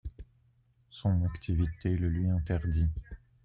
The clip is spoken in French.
Son activité le lui interdit.